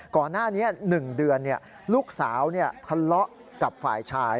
ก่อนหน้านี้๑เดือนลูกสาวทะเลาะกับฝ่ายชาย